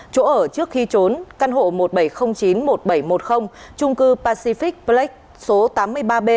chỗ ở trước khi trốn căn hộ một bảy không chín một bảy một không trung cư pacific black số tám mươi ba b